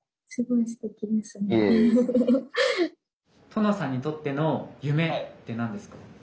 トノさんにとっての夢って何ですか？